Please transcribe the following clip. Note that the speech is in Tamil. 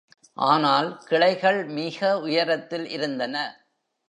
ஆனால், கிளைகள் மிக உயரத்தில் இருந்தன.